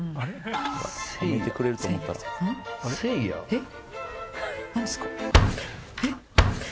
えっ？